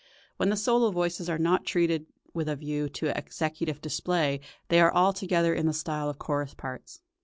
When the solo voices are not treated with a view to executive display they are altogether in the style of chorus parts.